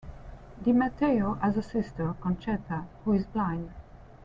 Di Matteo has a sister, Concetta, who is blind.